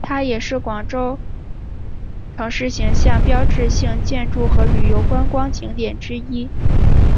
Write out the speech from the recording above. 它也是广州城市形象的标志性建筑和旅游观光景点之一。